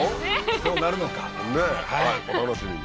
どうなるのか。ねお楽しみに。